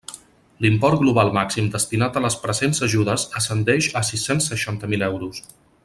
L'import global màxim destinat a les presents ajudes ascendeix a sis-cents seixanta mil euros.